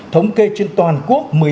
thống kê trên toàn quốc